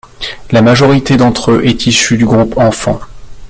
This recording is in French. La majorité d’entre eux est issue du groupe enfants.